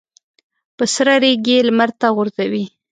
په سره ریګ یې لمر ته غورځوي.